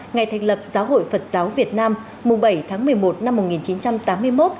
ngày thành lập giáo hội phật giáo việt nam mùng bảy tháng một mươi một năm một nghìn chín trăm tám mươi một